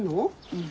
うん。